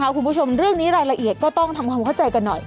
คุณผู้ชมเรื่องนี้รายละเอียดก็ต้องทำความเข้าใจกันหน่อย